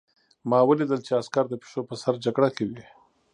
ما ولیدل چې عسکر د پیشو په سر جګړه کوي